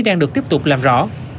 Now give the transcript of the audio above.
đang được tiếp tục làm rõ